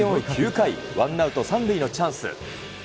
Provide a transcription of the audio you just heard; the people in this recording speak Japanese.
９回、ワンアウト３塁のチャンス。